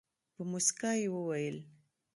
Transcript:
په موسکا یې وویل.